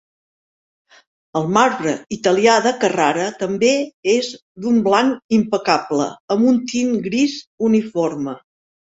El marbre italià de Carrara també és d'un blanc impecable amb un tint gris uniforme.